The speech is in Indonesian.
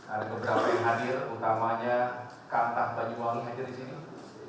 ada beberapa yang hadir utamanya kantah banyuwangi hadir di sini